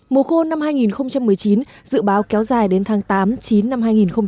mùa khô năm hai nghìn một mươi chín dự báo kéo dài đến tháng tám chín năm hai nghìn hai mươi